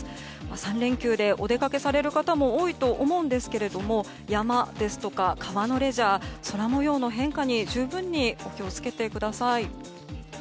３連休でお出かけされる方も多いと思うんですが山ですとか川のレジャーは空模様の変化に十分に気を付けてください。